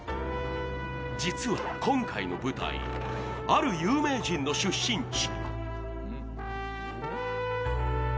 実は今回の舞台ある有名人の出身地。